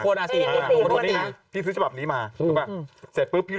เพราะมันกลับไปที่คนแรกเหมือนเดิม